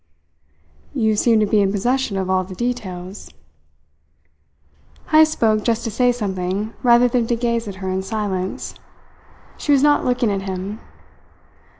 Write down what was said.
"You seem to be in possession of all the details." Heyst spoke just to say something rather than to gaze at her in silence. She was not looking at him.